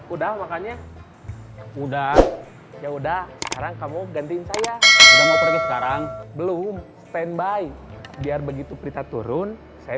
udah makannya udah ya udah kamu gantiin saya sekarang belum standby biar begitu berita turun saya